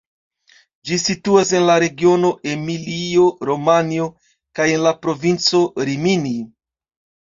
Ĝi situas en la regiono Emilio-Romanjo kaj en la provinco Rimini.